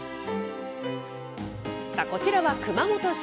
こちらは熊本市。